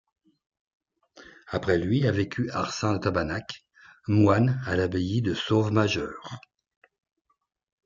Après lui a vécu Arcin de Tabanac, moine à l'abbaye de La Sauve-Majeure.